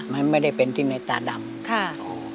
มันไม่ได้เป็นที่ในตาดำ